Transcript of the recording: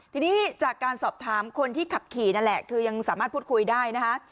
ทีนี้จากการสอบถามคนที่ขับขี่นั่นแหละคือยังสามารถพูดคุยได้นะคะ